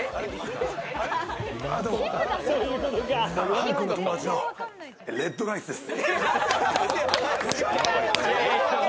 ＨＡＮ−ＫＵＮの友達のＲＥＤＲＩＣＥです。